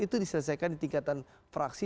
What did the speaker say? itu diselesaikan di tingkatan fraksi